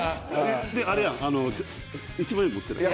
であれやん１万円持ってない？